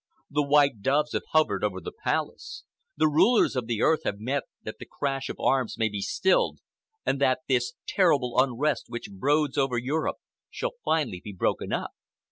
The white doves have hovered over the Palace. The rulers of the earth have met that the crash of arms may be stilled and that this terrible unrest which broods over Europe shall finally be broken up.